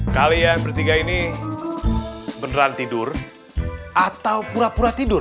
kalian bertiga ini beneran tidur atau pura pura tidur